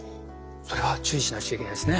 それは注意しなくちゃいけないですね。